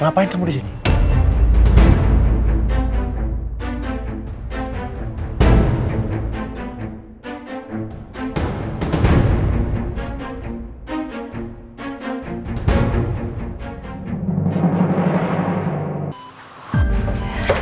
hingga mereka memiliki hak yangyou can't read